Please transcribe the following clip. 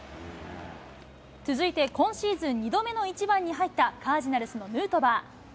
続いて、今シーズン２度目の１番に入った、カージナルスのヌートバー。